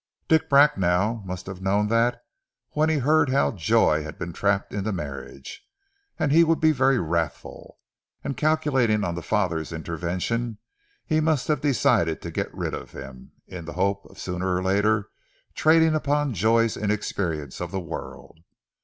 Dick Bracknell must have known that when he heard how Joy had been trapped into marriage, he would be very wrathful, and calculating on the father's intervention he must have decided to get rid of him, in the hope of sooner or later trading upon Joy's inexperience of the world.